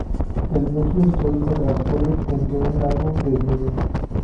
El núcleo histórico transcurre entre un largo desnivel.